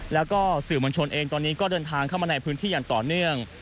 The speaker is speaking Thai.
แล้วก็สื่อมวลชนเองตอนนี้ก็เดินทางเข้ามาในพื้นที่อย่างต่อเนื่อง